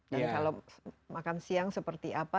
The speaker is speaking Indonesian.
dan kalau makan siang seperti apa